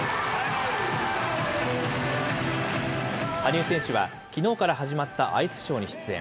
羽生選手は、きのうから始まったアイスショーに出演。